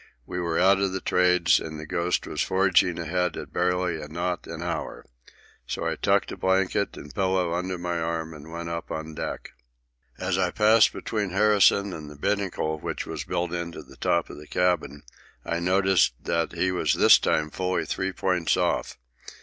We were out of the Trades, and the Ghost was forging ahead barely a knot an hour. So I tucked a blanket and pillow under my arm and went up on deck. As I passed between Harrison and the binnacle, which was built into the top of the cabin, I noticed that he was this time fully three points off.